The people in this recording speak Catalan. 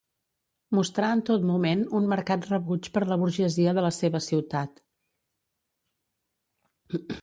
Mostrà en tot moment un marcat rebuig per la burgesia de la seva ciutat.